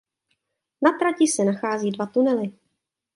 Na trati se nachází dva tunely.